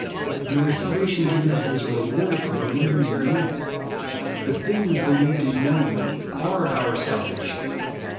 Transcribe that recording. Kor is salvation given as a reward for believing and knowing. The things be lieved and known are our salvation.